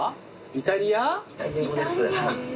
イタリア語です。